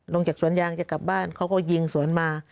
ลงจากสวนยางจะกลับบ้านเขาก็ยิงสวนมา